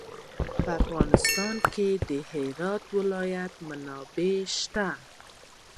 په افغانستان کې د هرات ولایت منابع شته.